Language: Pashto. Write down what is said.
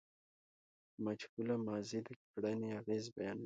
مجهوله ماضي د کړني اغېز بیانوي.